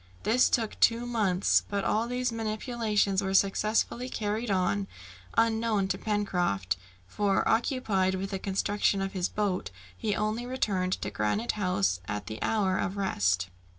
This took two months; but all these manipulations were successfully carried on unknown to Pencroft, for, occupied with the construction of his boat, he only returned to Granite House at the hour of rest.